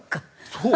そう。